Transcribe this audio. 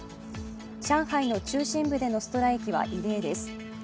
上海の中心部でのストライキは異例です。